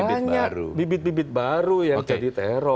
semakin banyak bibit bibit baru yang jadi teror